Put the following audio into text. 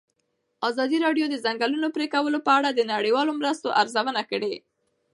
ازادي راډیو د د ځنګلونو پرېکول په اړه د نړیوالو مرستو ارزونه کړې.